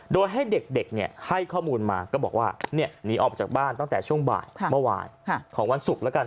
โดยให้เด็กให้ข้อมูลมาก็บอกว่าหนีออกจากบ้านตั้งแต่ช่วงบ่ายเมื่อวานของวันศุกร์แล้วกัน